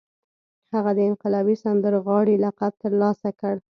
هغه د انقلابي سندرغاړي لقب ترلاسه کړ